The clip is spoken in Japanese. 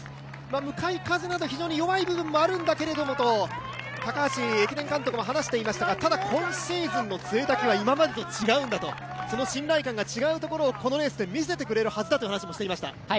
向かい風など非常に弱い部分もあるんだけどと高橋駅伝監督も話していましたが、ただ今シーズンの潰滝は今までと違うんだと、信頼感が違うとこのレースで見せてくれるはずだとしていました。